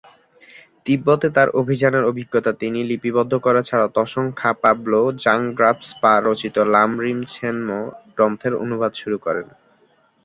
তিব্বতে তার অভিযানের অভিজ্ঞতা তিনি লিপিবদ্ধ করা ছাড়াও ত্সোং-খা-পা-ব্লো-ব্জাং-গ্রাগ্স-পা রচিত লাম-রিম-ছেন-মো গ্রন্থের অনুবাদ শুরু করেন।